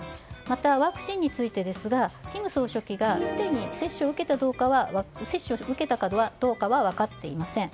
またワクチンについてですが金総書記がすでに接種を受けたかどうかは分かっていません。